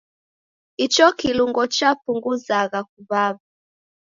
Icho kilungo chapunguzagha kuw'aw'a.